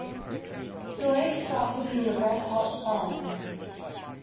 The lake sparkled in the red hot sun.